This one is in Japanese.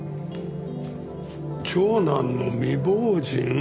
長男の未亡人？